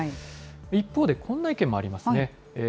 一方でこんな意見もありますね。